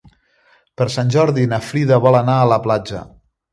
Per Sant Jordi na Frida vol anar a la platja.